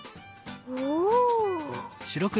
おお。